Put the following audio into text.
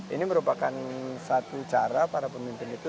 ini merupakan satu cara para pemimpin itu